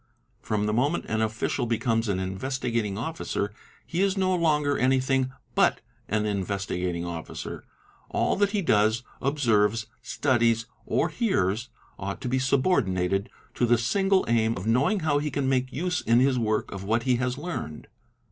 From the moment an official becomes an Investigat ing Officer, he is no longer anything but an Investigating Officer. All that he does, observes, studies, or hears, ought to be subordinated to the single aim of knoWing how he can make use in his work of what he has rned.